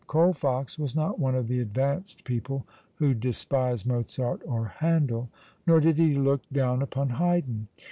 Colfox was not one of the advanced people who despise Mozart or Handel. Nor did he look down upon Haydn.